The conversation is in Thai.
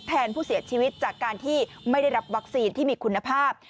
แทนผู้เสียชีวิตจากการที่ไม่ได้รับวัคซีนที่มีคุณภาพ